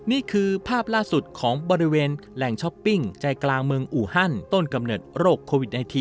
นี่คือภาพล่าสุดของบริเวณแหล่งช้อปปิ้งใจกลางเมืองอูฮันต้นกำเนิดโรคโควิด๑๙